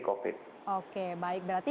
covid oke baik berarti